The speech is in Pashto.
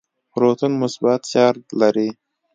پروتون مثبت چارج لري.